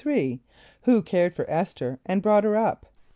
= Who cared for [)E]s´th[~e]r and brought her up?